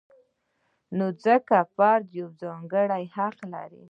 نو ځکه فرد یو ځانګړی حق لري.